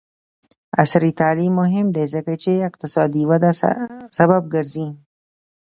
عصري تعلیم مهم دی ځکه چې اقتصادي وده سبب ګرځي.